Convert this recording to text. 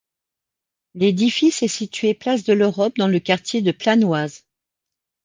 L'édifice est situé place de l'Europe, dans le quartier de Planoise.